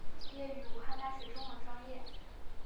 毕业于武汉大学中文专业。